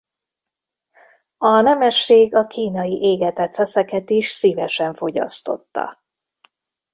A nemesség a kínai égetett szeszeket is szívesen fogyasztotta.